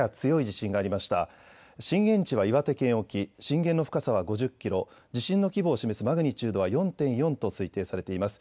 震源地は岩手県沖、震源の深さは５０キロ、地震の規模を示すマグニチュードは４．４と推定されています。